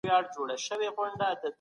هغه سړی په خپلو خبرو کي تېر ووت.